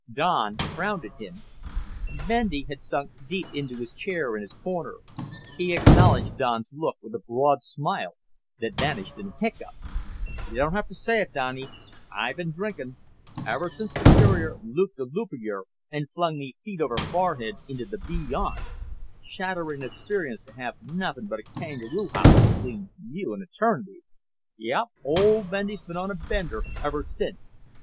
Don frowned at him. Bendy had sunk deep into his chair in his corner. He acknowledged Don's look with a broad smile that vanished in a hiccup. "Y' don't have to say it, Donny. I been drinkin'. Ever since Superior looped the looperior and flung me feet over forehead into the bee yond. Shatterin' experience to have nothin' but a kangaroo hop between you and eternity. Yop, ol' Bendy's been on a bender ever since.